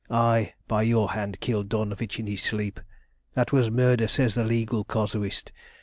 I, by your hand, killed Dornovitch in his sleep. That was murder, says the legal casuist.